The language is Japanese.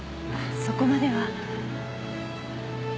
そこまでは。